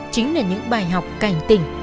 chính là những bài học cảnh tỉnh